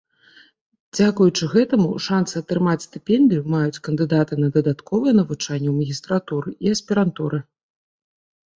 Дзякуючы гэтаму, шанцы атрымаць стыпендыю маюць кандыдаты на дадатковае навучанне ў магістратуры і аспірантуры.